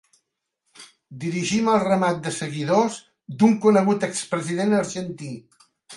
Dirigim el ramat de seguidors d'un conegut expresident argentí.